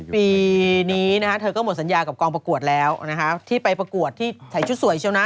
ปีนี้เธอก็หมดสัญญากับกองประกวดแล้วนะคะที่ไปประกวดที่ใส่ชุดสวยเชียวนะ